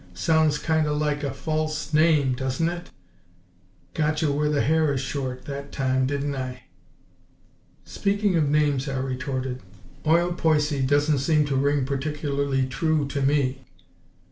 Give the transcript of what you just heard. Sounds kind o' like a FALSE name, does it? Got ye where the hair is short, that time, didn't I?" "Speaking of names," I retorted, "'Oil Poicy' doesn't seem to ring particularly true to me!"